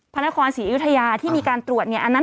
พนครศรีอยุธยาที่มีการตรวจเนี่ย